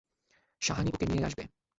সাহানী ওকে নিয়ে আসবে।